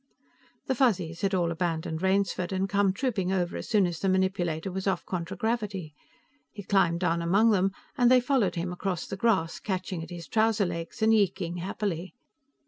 The Fuzzies had all abandoned Rainsford and come trooping over as soon as the manipulator was off contragravity. He climbed down among them, and they followed him across the grass, catching at his trouser legs and yeeking happily.